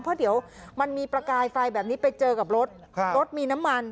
เพราะเดี๋ยวมันมีประกายไฟแบบนี้ไปเจอกับรถรถมีน้ำมัน